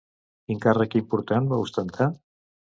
Quin càrrec important va ostentar?